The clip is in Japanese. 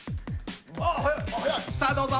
さあどうぞ。